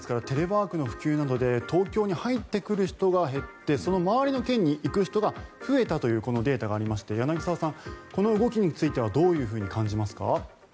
テレワークの普及などで東京に入ってくる人が減ってその周りの県に行く人が増えたというこのデータがありまして柳澤さん、この動きについてはどう感じますか？